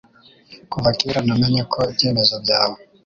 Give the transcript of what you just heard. Kuva kera namenye ko ibyemezo byawe